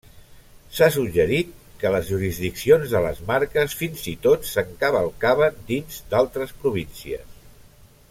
S'ha suggerit que les jurisdiccions de les marques fins i tot s'encavalcaven dins d'altres províncies.